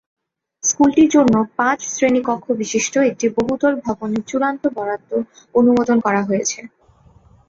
স্কুলটির জন্য পাঁচ শ্রেণিকক্ষবিশিষ্ট একটি বহুতল ভবনের চূড়ান্ত বরাদ্দ অনুমোদন করা হয়েছে।